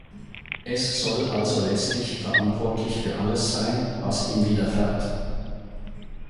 Es soll also letztlich verantwortlich für alles sein, was ihm widerfährt.